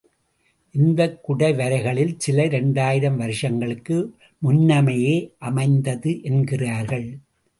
இந்தக் குடவரைகளில் சில இரண்டாயிரம் வருஷங்களுக்கு முன்னமையே அமைந்தது என்கிறார்கள்.